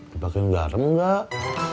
dipakein garam nggak